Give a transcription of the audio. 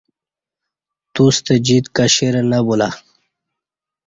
توستہ جیت کشیرہ نہ بولا